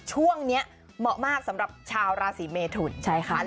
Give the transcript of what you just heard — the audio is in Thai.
ช่วงนี้เหมาะมากสำหรับชาวราศิเมถุ้น